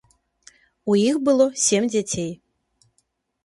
У іх было сем дзяцей.